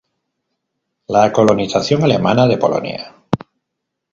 La colonización alemana de Polonia.